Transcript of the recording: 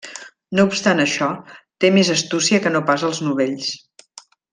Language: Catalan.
No obstant això, té més astúcia que no pas els novells.